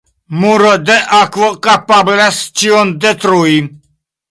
Muro de akvo kapablas ĉion detrui.